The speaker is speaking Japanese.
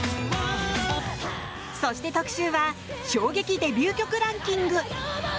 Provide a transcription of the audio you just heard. そして特集は衝撃デビュー曲ランキング。